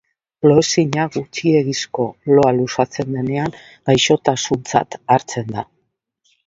Loezina gutxiegizko loa luzatzen denean gaixotasuntzat hartzen da.